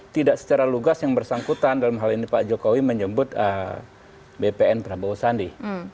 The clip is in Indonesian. tidak secara lugas yang bersangkutan dalam hal ini pak jokowi menyebut bpn prabowo sandi